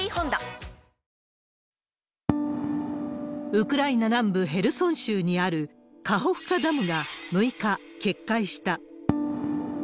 ウクライナ南部ヘルソン州にあるカホフカダムが６日、決壊した。